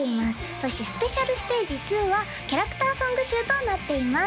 そして「ＳＰＳＴＡＧＥ２」はキャラクターソング集となっています